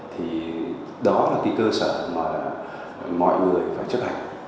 thì đó là cái cơ sở mà mọi người phải chấp hành